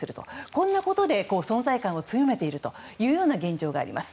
こんなことで存在感を強めているというような現状があります。